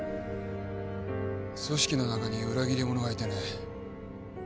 組織の中に裏切り者がいてね。